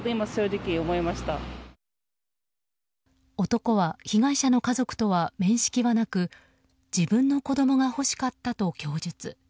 男は被害者の家族とは面識はなく自分の子供が欲しかったと供述。